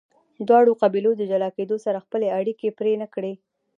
دواړو قبیلو د جلا کیدو سره خپلې اړیکې پرې نه کړې.